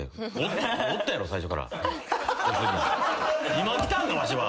今来たんかわしは。